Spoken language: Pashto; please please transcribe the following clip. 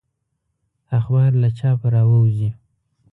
اخبار له چاپه راووزي.